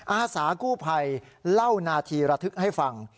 อาสากู้ภัยเล่านาทีระทึกให้ฟัง